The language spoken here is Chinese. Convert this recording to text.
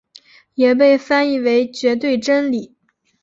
也被翻译为绝对真理。